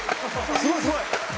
すごいすごい！